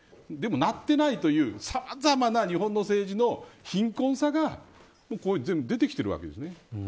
なってないというさまざまな日本の政治の貧困さが、ここに全部出てきているわけです。